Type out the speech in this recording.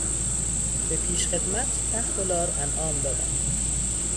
به پیشخدمت ده دلار انعام دادم.